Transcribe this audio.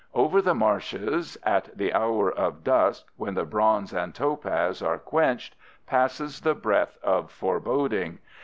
Over the marshes at the hour of dusk when the bronze and topaz are quenched passes the breath of foreboding.